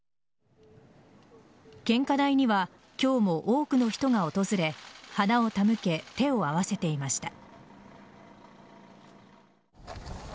献花台には今日も多くの人が訪れ花を手向け手を合わせていました。